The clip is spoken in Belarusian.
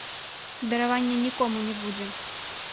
Даравання нікому не будзе.